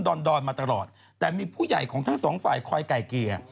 อนดอนมาตลอดแต่มีผู้ใหญ่ของทั้งสองฝ่ายคอยไก่เกลี่ย